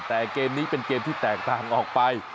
แต่เกมนี้เป็นเกมที่แตกต่างออกไป